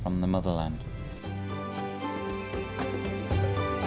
một ngày bình thường của chị lê hà